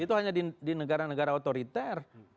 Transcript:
itu hanya di negara negara otoriter